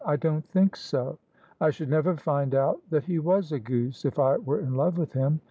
" I don't think so. I should never find out that he was a goose if I were in love with him.